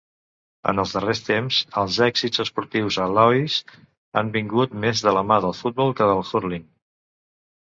En els darrers temps, els èxits esportius a Laois han vingut més de la mà del futbol que del "hurling".